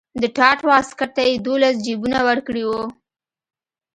د ټاټ واسکټ ته یې دولس جیبونه ورکړي وو.